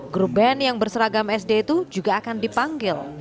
grup band yang berseragam sd itu juga akan dipanggil